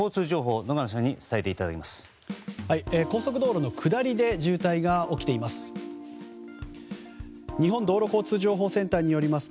高速道路の下りで渋滞が起きています。